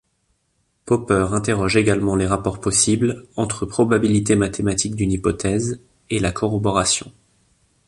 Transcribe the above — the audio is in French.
Popper interroge également les rapports possibles entre probabilité mathématique d’une hypothèse et la corroboration.